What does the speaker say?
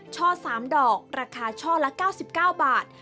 ช่อ๓ดอกราคาช่อละ๙๙บาท